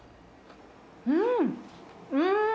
うん、うーん！